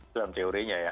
dalam teorinya ya